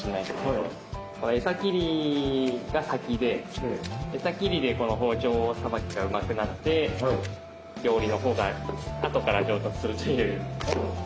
エサ切りが先でエサ切りでこの包丁さばきがうまくなって料理のほうがあとから上達するという。